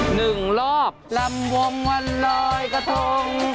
หนึ่งรอบลำวงวันลอยกระทง